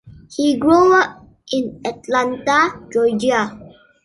He grew up in Atlanta, Georgia.